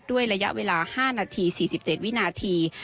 ระยะเวลา๕นาที๔๗วินาที